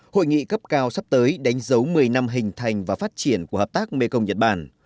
hội nghị cấp cao sắp tới đánh dấu một mươi năm hình thành và phát triển của hợp tác mekong nhật bản